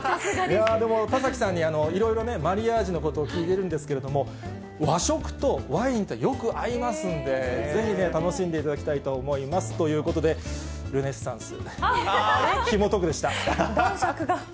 でも、田崎さんにいろいろね、マリアージュのことを聞いてるんですけど、和食とワインって、よく合いますんで、ぜひ楽しんでいただきたいと思いますということで、ルネッサンス。